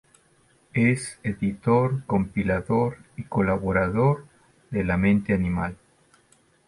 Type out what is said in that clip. Es editor, compilador y colaborador de "La mente animal.